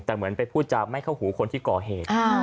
แต่เหมือนไปพูดจะไม่เข้าหูคนที่ก่อเหตุ